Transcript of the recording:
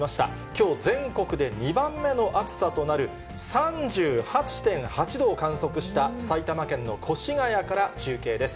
きょう、全国で２番目の暑さとなる３８．８度を観測した埼玉県の越谷から中継です。